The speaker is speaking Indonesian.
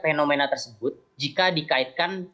fenomena tersebut jika dikaitkan